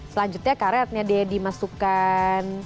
selanjutnya karetnya deh dimasukkan